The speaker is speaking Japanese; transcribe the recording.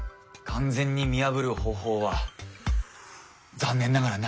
完全に見破る方法は残念ながらないんです。